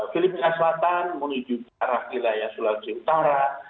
filipina selatan menuju ke arah wilayah sulawesi utara